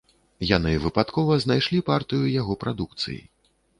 Яны выпадкова знайшлі партыю яго прадукцыі.